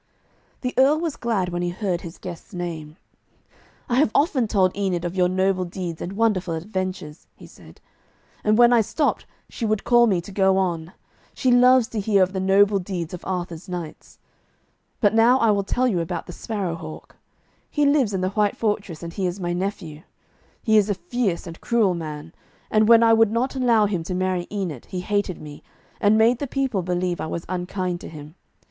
The Earl was glad when he heard his guest's name. 'I have often told Enid of your noble deeds and wonderful adventures,' he said, 'and when I stopped, she would call to me to go on. She loves to hear of the noble deeds of Arthur's knights. But now I will tell you about the Sparrow hawk. He lives in the white fortress, and he is my nephew. He is a fierce and cruel man, and when I would not allow him to marry Enid, he hated me, and made the people believe I was unkind to him.